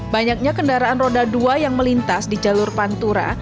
banyaknya kendaraan roda dua yang melintas di jalur pantura